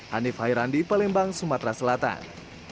hanif hairandi palembang sumatera selatan